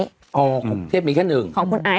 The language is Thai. อ๋อพรุ่งเทพมีแค่๑ของคุณไอ